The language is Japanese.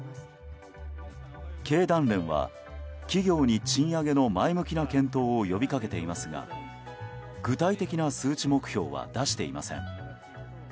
経団連は企業に賃上げの前向きな検討を呼び掛けていますが具体的な数値目標は出していません。